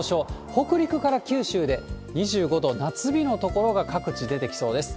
北陸から九州で２５度、夏日の所が各地出てきそうです。